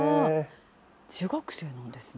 中学生なんですね。